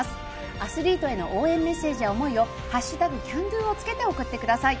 アスリートへの応援メッセージや思いを「＃ＣＡＮＤＯ」をつけて送ってください。